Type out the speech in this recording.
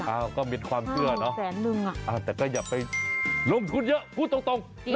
ก็มีความเชื่อเนอะแสนนึงแต่ก็อย่าไปลงทุนเยอะพูดตรง